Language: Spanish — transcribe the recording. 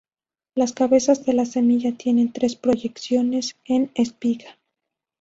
Las cabezas de la semilla tienen tres proyecciones en espiga.